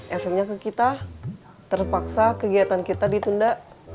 efeknya ke kita terpaksa kegiatan kita ditunda